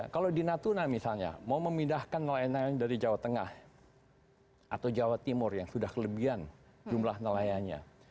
kalau di natuna misalnya mau memindahkan nelayan nelayan dari jawa tengah atau jawa timur yang sudah kelebihan jumlah nelayannya